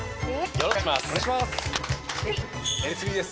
よろしくお願いします。